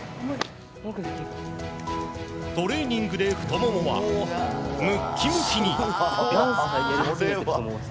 トレーニングで太ももはムッキムキに。